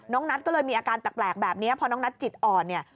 นัทก็เลยมีอาการแปลกแบบนี้พอน้องนัทจิตอ่อนเนี่ย